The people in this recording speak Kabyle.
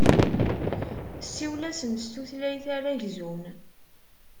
Ssiwel-asen s tutlayt ara gzun.